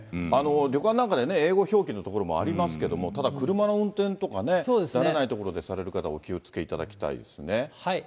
旅館なんかでね、英語表記のところもありますけれども、ただ車の運転とかね、慣れない所でされる方、お気をつけいただきたいですね。